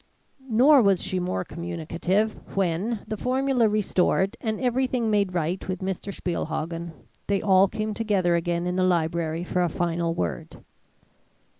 Nor was she more communicative, when, the formula restored and everything made right with Mr. Spielhagen, they all came together again in the library for a final word.